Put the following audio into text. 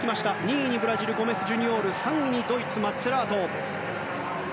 ２位にブラジルゴメス・ジュニオール３位にドイツ、マッツェラート。